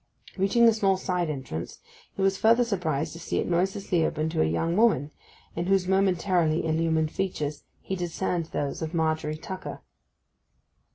Reaching the small side entrance he was further surprised to see it noiselessly open to a young woman, in whose momentarily illumined features he discerned those of Margery Tucker.